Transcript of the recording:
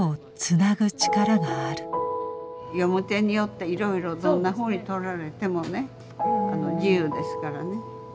読み手によっていろいろどんなふうにとられてもね自由ですからね。